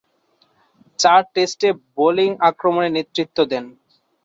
চার টেস্টে বোলিং আক্রমণে নেতৃত্ব দেন।